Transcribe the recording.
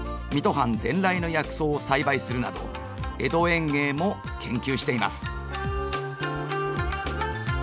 藩伝来の薬草を栽培するなど江戸園芸も研究しています。